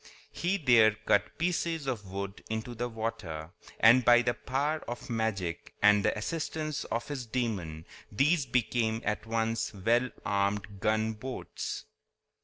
He there cut pieces of wood into the water, and by the power of magic and the assistance of his demon these became at once well armed gunboats.